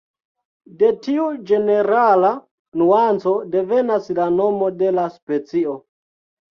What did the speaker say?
De tiu ĝenerala nuanco devenas la nomo de la specio.